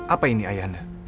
apa ini ayah anda